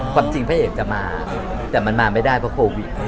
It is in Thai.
ความจริงพระเอกจะมาแต่มันมาไม่ได้เพราะโควิด